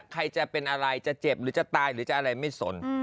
ใครจะเป็นอะไรจะเจ็บหรือจะตายหรือจะอะไรไม่สน